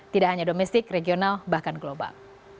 tidak hanya domestik regional bahkan global